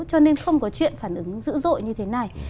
cho nên không có chuyện phản ứng dữ dội như thế này